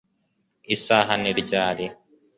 Isaha ni ryari